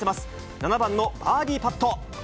７番のバーディーパット。